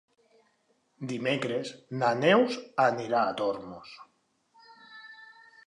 Dimecres na Neus anirà a Tormos.